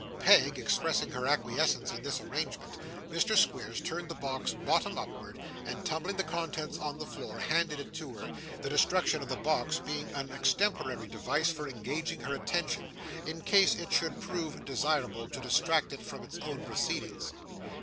Peg, expressing her acquiescence in this arrangement, Mr. Squeers turned the box bottom upwards, and tumbling the contents upon the floor, handed it to her; the destruction of the box being an extemporary device for engaging her attention, in case it should prove desirable to distract it from his own proceedings.